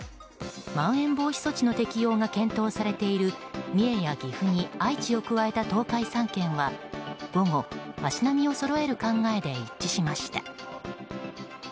まん延防止措置の適用が検討されている三重や岐阜に愛知を加えた東海３県は午後、足並みをそろえる考えで一致しました。